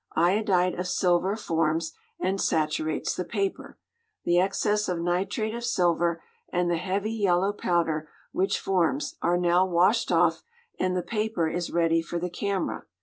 Iodide of silver forms, and saturates the paper. The excess of nitrate of silver and the heavy yellow powder which forms are now washed off, and the paper is ready for the camera.